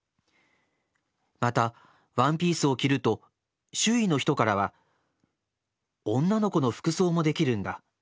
またワンピースを着ると周囲の人からは『女の子の服装もできるんだ。